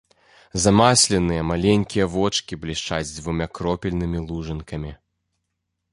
Замасленыя маленькія вочкі блішчаць дзвюма кропельнымі лужынкамі.